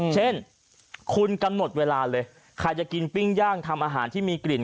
เช่นคุณกำหนดเวลาเลยใครจะกินปิ้งย่างทำอาหารที่มีกลิ่น